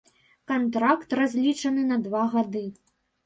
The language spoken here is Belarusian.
Кантракт разлічаны на два гады.